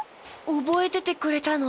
おぼえててくれたの？